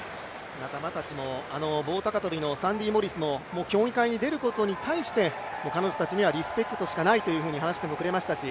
仲間たちもあの棒高跳のサンディ・モリスも競技会に出ることに関して彼女たちにはリスペクトしかないとも話してくれましたし